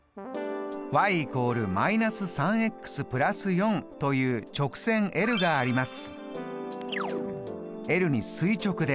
ｙ＝−３＋４という直線ｌがあります。